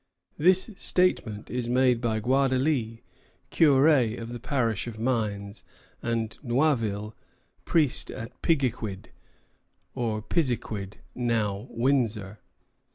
This statement is made by Gaudalie, curé of the parish of Mines, and Noiville, priest at Pigiquid, or Pisiquid, now Windsor.